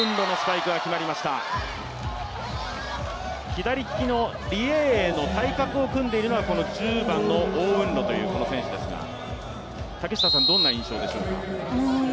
左利きのリ・エイエイの対角を組んでいるのが１０番のオウ・ウンロという選手ですが、竹下さん、どんな印象でしょうか。